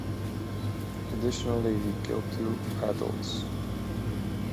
Additionally, he killed two adults.